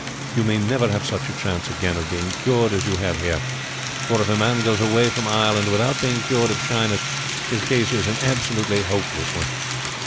You may never have such a chance again of being cured as you have here; for if a man goes away from Ireland without being cured of shyness his case is an absolutely hopeless one.